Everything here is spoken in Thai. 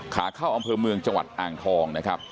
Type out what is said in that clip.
ขาเข้าอำเภอเมืองจังหวัดอ่างทองนะครับ